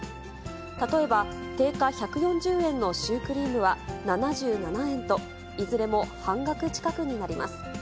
例えば、定価１４０円のシュークリームは７７円と、いずれも半額近くになります。